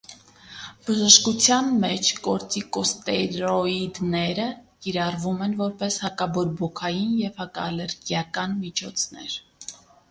Բժշկության մեջ կորտիկոստերոիդները կիրառվում են որպես հակաբորբոքային և հակաալերգիական միջոցներ։